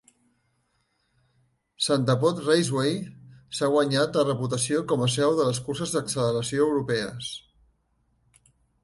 Santa Pod Raceway s'ha guanyat la reputació com a seu de les curses d'acceleració europees.